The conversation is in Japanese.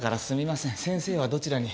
先生はどちらに？